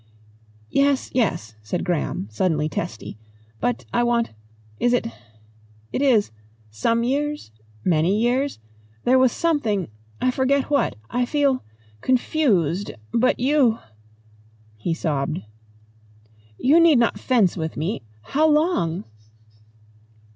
"Yes yes," said Graham, suddenly testy. "But I want Is it it is some years? Many years? There was something I forget what. I feel confused. But you " He sobbed. "You need not fence with me. How long